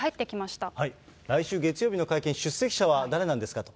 来週月曜日の会見、出席者は誰なんですかと。